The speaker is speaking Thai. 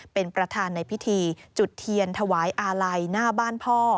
เป็นประธานในพิธีจุดเทียนถวายอาลัยหน้าบ้านพ่อ